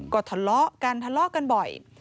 ก็ทะเลาะกันทะเลาะกันบ่อย